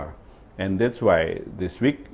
dan itulah sebabnya